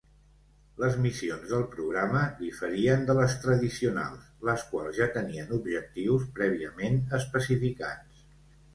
Les missions del programa diferien de les tradicionals, les quals ja tenien objectius prèviament especificats.